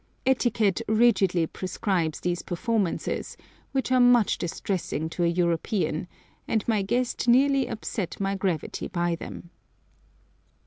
Etiquette rigidly prescribes these performances, which are most distressing to a European, and my guest nearly upset my gravity by them.